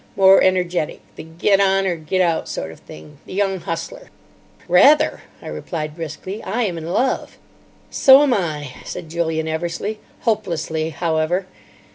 More energetic. The Get On or Get Out sort of thing. The Young Hustler." "Rather," I replied briskly, "I am in love." "So am I," said Julian Eversleigh. "Hopelessly, however.